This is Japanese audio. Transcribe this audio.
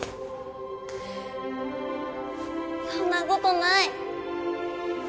そんなことない！